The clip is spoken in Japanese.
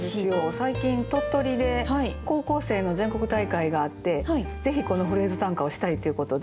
最近鳥取で高校生の全国大会があってぜひこの「フレーズ短歌」をしたいということで。